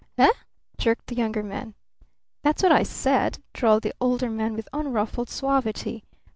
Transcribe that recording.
"Eh?" jerked the Younger Man. "That's what I said," drawled the Older Man with unruffled suavity.